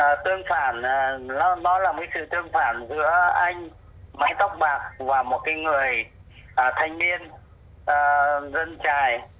và cái thứ hai nữa là tương phản nó là một sự tương phản giữa anh mái tóc bạc và một cái người thanh niên dân trài